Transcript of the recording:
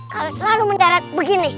kalo selalu mendarat begini